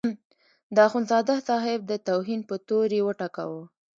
د اخندزاده صاحب د توهین په تور یې وټکاوه.